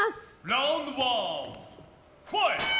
ラウンドワンファイト！